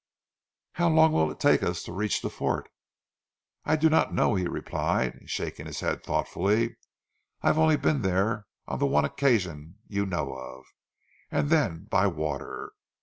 "How long will it take us to reach the fort?" "I do not know," he replied, shaking his head thoughtfully. "I have only been there on the one occasion you know of and then by water.